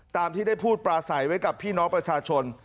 ตามที่ได้พูดปลาใสไว้กับพี่น้องประชาชน